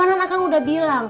aku udah bilang